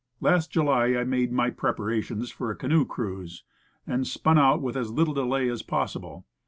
Last July I made my preparations for a canoe cruise, and spun out with as little delay as possible.